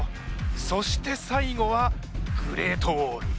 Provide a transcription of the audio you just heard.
そして最後はグレートウォール。